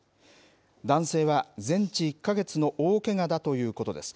男性は全治１か月の大けがだということです。